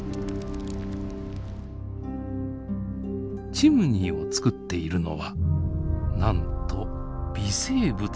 チムニーを作っているのはなんと微生物だというのです。